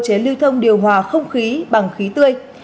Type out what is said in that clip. chế lưu thông điều hòa không khí bằng khí tươi